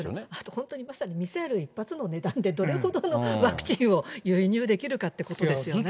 本当にまさに、ミサイル１発の値段でどれほどのワクチンを輸入できるかってことですよね。